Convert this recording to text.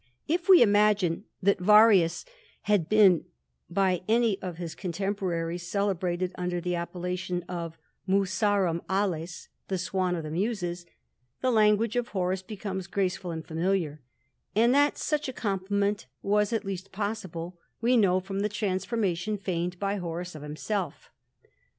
If we imagine that Varius had been any of his contemporaries celebrated under the appella of Musarum Ales, the swan of the Muses, the languag< Horace becomes graceful and familiar; and that sue compliment was at least possible, we know from transformation feigned by Horace of himself.